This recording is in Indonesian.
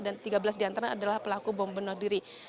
dan tiga belas di antara adalah pelaku bom benodiri